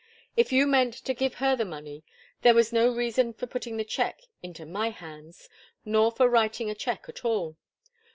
If you meant to give her the money, there was no reason for putting the cheque into my hands nor for writing a cheque at all.